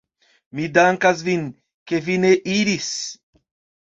Mi dankas vin, ke vi ne iris!